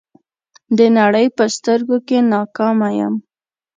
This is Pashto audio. د نړۍ په سترګو کې ناکامه یم.